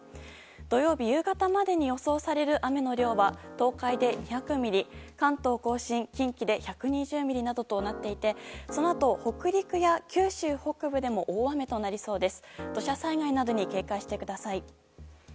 土曜日夕方までに予想される雨の量は東海で２００ミリ関東・甲信、近畿で１２０ミリなどとなっていてそのあと、北陸や九州北部でも大雨となりそうです。